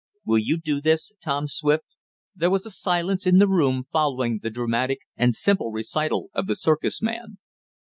Will you do this, Tom Swift?" There was a silence in the room following the dramatic and simple recital of the circus man.